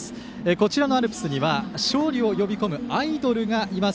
こちらのアルプスには勝利を呼び込むアイドルがいます。